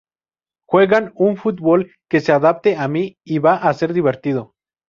Juegan un fútbol que se adapte a mí y va a ser divertido.